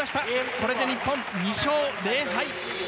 これで日本、２勝０敗。